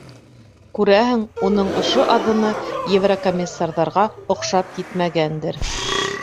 Күрәһең, уның ошо аҙымы еврокомиссарҙарға оҡшап етмәгәндер.